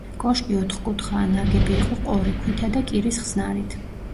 კოშკი ოთხკუთხაა, ნაგები იყო ყორე ქვითა და კირის ხსნარით.